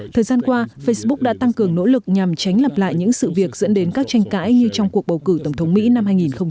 thời gian qua facebook đã tăng cường nỗ lực nhằm tránh lặp lại những sự việc dẫn đến các tranh cãi như trong cuộc bầu cử tổng thống mỹ năm hai nghìn một mươi sáu